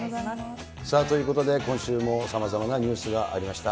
ということで今週もさまざまなニュースがありました。